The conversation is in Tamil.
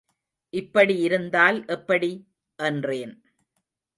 இப்படி இருந்தால் எப்படி? என்றேன்.